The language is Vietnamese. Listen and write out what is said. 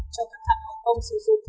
cho các hãng hàng phòng sử dụng